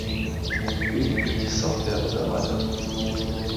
Lediglich die Software wird erweitert.